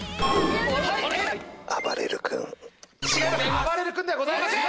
あばれる君ではございません。